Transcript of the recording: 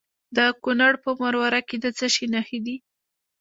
د کونړ په مروره کې د څه شي نښې دي؟